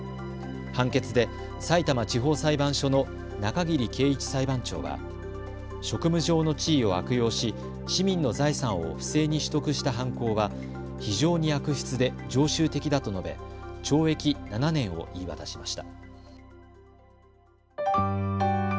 判決で、さいたま地方裁判所の中桐圭一裁判長は職務上の地位を悪用し市民の財産を不正に取得した犯行は非常に悪質で常習的だと述べ、懲役７年を言い渡しました。